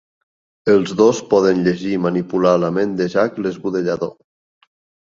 Els dos poden llegir i manipular la ment de Jack l'esbudellador.